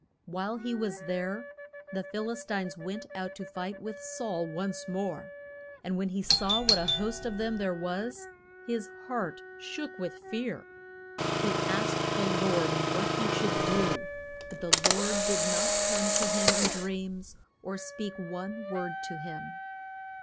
] While he was there, the Phil is tines went out to fight with Saul once more, and when he saw what a host of them there was, his heart shook with fear. He asked the Lord what he should do, but the Lord did not come to him in dreams, or speak one word to him.